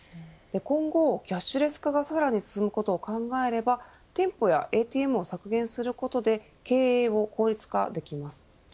今後、キャッシュレス化がさらに進むことを考えれば店舗やＡＴＭを削減することで経営を効率化できます。